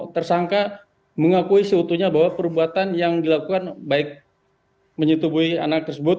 tersangka mengakui seutuhnya bahwa perbuatan yang dilakukan baik menyetubui anak tersebut